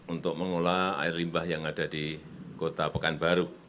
untuk mengolah air limbah yang ada di kota pekanbaru